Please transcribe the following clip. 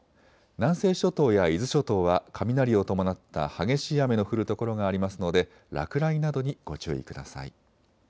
南西諸島や伊豆諸島は雷を伴った激しい雨の降る所がありますので落雷などにご注意ください。